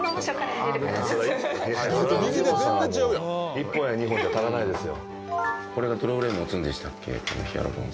１本や２本じゃ足らないですよ。